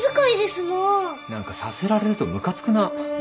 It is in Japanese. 何か察せられるとムカつくな。